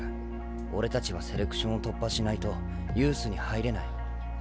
俺たちはセレクションを突破しないとユースに入れない。